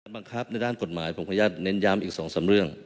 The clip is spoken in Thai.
บังคับในด้านกฎหมายผมขออนุญาตเน้นย้ำอีก๒๓เรื่อง